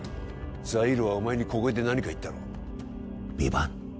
ザイールはお前に小声で何か言ったろ？